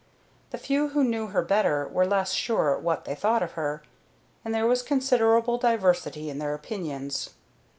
The few who knew her better were less sure what they thought of her, and there was considerable diversity in their opinions.